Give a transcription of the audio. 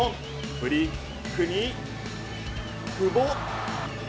フリーキックに久保。